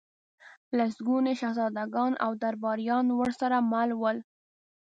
لسګوني شهزادګان او درباریان ورسره مل ول.